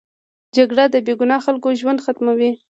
جګړه د بې ګناه خلکو ژوند ختموي